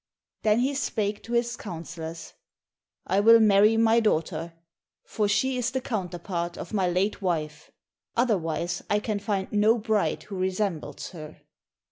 Then he spake to his councillors, "I will marry my daughter, for she is the counterpart of my late wife, otherwise I can find no bride who resembles her."